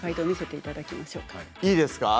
いいですか？